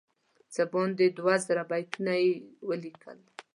څه باندې دوه زره بیتونه یې ولیکل.